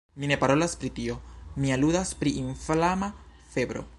Mi ne parolas pri tio: mi aludas pri inflama febro.